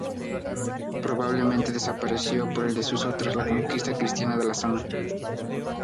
Probablemente desapareció por el desuso tras la conquista cristiana de la zona.